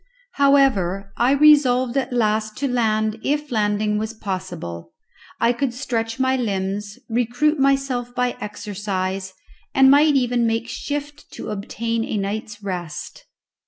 However, I resolved at last to land if landing was possible. I could stretch my limbs, recruit myself by exercise, and might even make shift to obtain a night's rest.